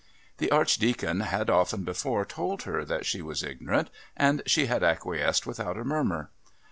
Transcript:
The Archdeacon had often before told her that she was ignorant, and she had acquiesced without a murmur.